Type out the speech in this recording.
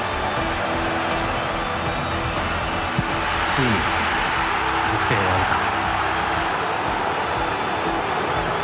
ついに得点を挙げた。